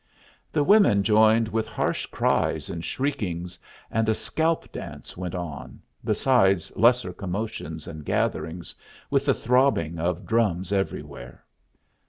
The women joined with harsh cries and shriekings, and a scalp dance went on, besides lesser commotions and gatherings, with the throbbing of drums everywhere.